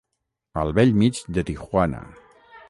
Al bell mig de Tijuana.